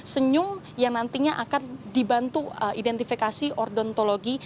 senyum yang nantinya akan dibantu identifikasi ordontologi